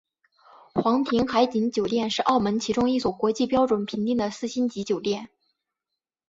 皇庭海景酒店是澳门其中一所国际标准评定的四星级酒店。